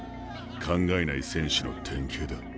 考えない選手の典型だ。